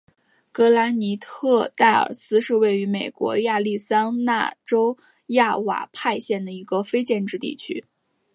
格兰尼特戴尔斯是位于美国亚利桑那州亚瓦派县的一个非建制地区。